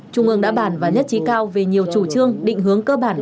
trung ương đã bàn và nhất trí cao về nhiều chủ trương định hướng cơ bản